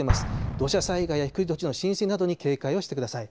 土砂災害や低い土地の浸水などに警戒をしてください。